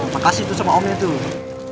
makasih tuh sama omnya tuh